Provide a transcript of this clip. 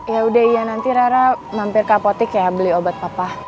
yaudah iya nanti rara mampir ke apotek ya beli obat papa